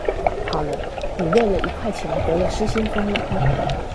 好了，你為了一塊錢得了失心瘋了